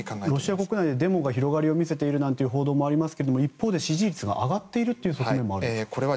ロシア国内でデモが広がりを見せているという報道もありますけど一方で支持率が上がっているという側面もあると。